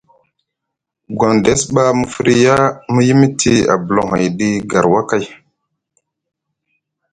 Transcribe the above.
Gondess ɓa mu firya mu yimiti abulohoy ɗi garwakay.